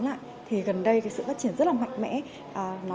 lại thì gần đây cái sự phát triển rất là mạnh mẽ ờ nó